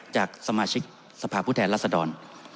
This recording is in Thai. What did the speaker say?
จากสมาชิกสภาพุทธารัศดร